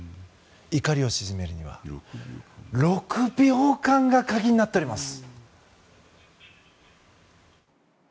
怒りを鎮めるには６秒間が鍵になっております。